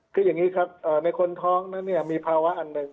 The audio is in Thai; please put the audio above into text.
คืออย่างนี้ครับในคนท้องมีภาวะอันหนึ่ง